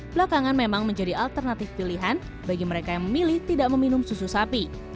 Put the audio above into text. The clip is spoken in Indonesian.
belakangan memang menjadi alternatif pilihan bagi mereka yang memilih tidak meminum susu sapi